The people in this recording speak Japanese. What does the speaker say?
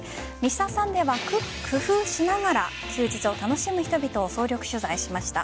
「Ｍｒ．サンデー」は工夫しながら休日を楽しむ人々を総力取材しました。